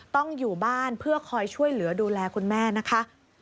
ต้องอยู่บ้านเพื่อคอยช่วยเหลือดูแลคุณแม่นะคะ